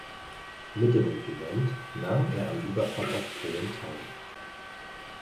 Mit dem Regiment nahm er am Überfall auf Polen teil.